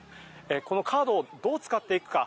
このカードをどう使っていくか